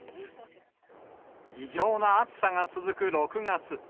異常な暑さが続く６月。